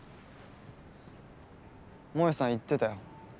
もえさん言ってたよ。